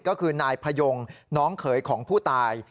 ก็คือนายพยงน้องเขยของผู้ตาย